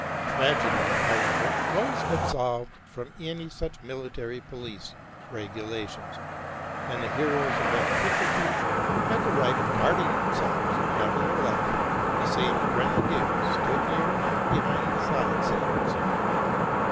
Tragedy, however, was absolved from any such military police regu lations ; and the heroes of antiquity had the right of guarding themselves: nevertheless, the same grenadiers stood near enough behind the side scenes.